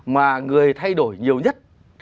mà người thay đổi nhiều nhất